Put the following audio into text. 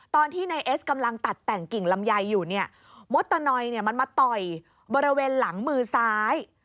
ตอนที่นายเอสกำลังตัดแต่งกิ่งลำไยอยู่เนี่ยมดตะนอยมันมาต่อยบริเวณหลังมือซ้าย